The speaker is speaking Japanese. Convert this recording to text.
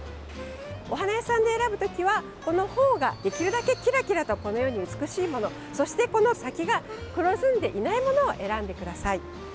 お花屋さんで選ぶ時はこのホウができるだけキラキラとこのように美しいものそして、この先が黒ずんでいないものを選んでください。